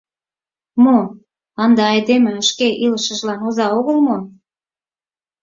Мо, ынде айдеме шке илышыжлан оза огыл мо?